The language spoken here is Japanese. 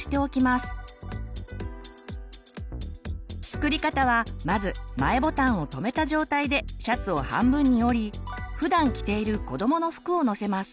作り方はまず前ボタンを留めた状態でシャツを半分に折りふだん着ているこどもの服を載せます。